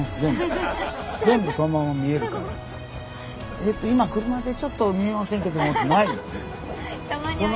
「えと今車でちょっと見えませんけども」ってないもんね。